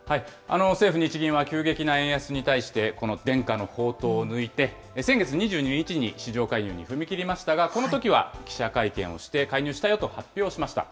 政府・日銀は急激な円安に対して、この伝家の宝刀を抜いて、先月２２日に市場介入に踏み切りましたが、このときは記者会見をして、介入したよと発表しました。